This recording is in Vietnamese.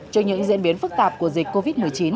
trước những diễn biến phức tạp của dịch covid một mươi chín